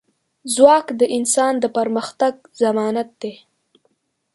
ځواک د انسان د پرمختګ ضمانت دی.